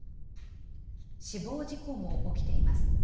死亡事故も起きています。